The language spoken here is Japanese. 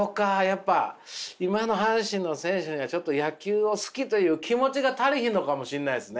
やっぱ今の阪神の選手にはちょっと野球を好きという気持ちが足りひんのかもしれないですね。